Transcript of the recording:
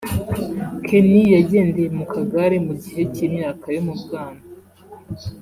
Kenny yagendeye mu kagare mu gihe cy’imyaka yo mu bwana